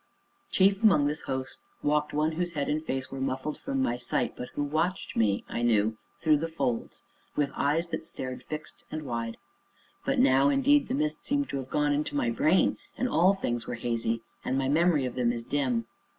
Chief among this host walked one whose head and face were muffled from my sight, but who watched me, I knew, through the folds, with eyes that stared fixed and wide. But now, indeed, the mist seemed to have got into my brain, and all things were hazy, and my memory of them is dim.